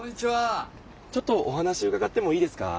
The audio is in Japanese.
ちょっとお話うかがってもいいですか？